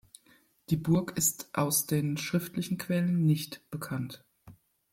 Die Burg ist aus den schriftlichen Quellen nicht bekannt.